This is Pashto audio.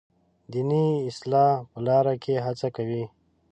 دیني اصلاح په لاره کې هڅه کوي.